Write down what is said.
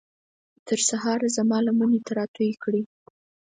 تر سهاره زما لمنې ته راتوی کړئ